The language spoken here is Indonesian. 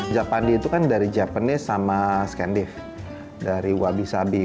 japandi itu kan dari japanese sama scandif dari wabi sabi